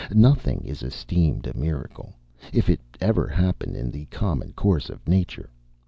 Nothing is esteemed a miracle, if it ever happen in the common course of nature.